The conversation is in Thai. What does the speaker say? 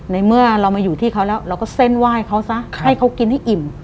ในเมื่อเรามาอยู่ที่เขาแล้วเราก็เส้นไหว้เขาซะให้เขากินให้อิ่ม